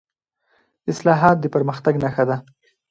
اصلاحات د پرمختګ نښه ده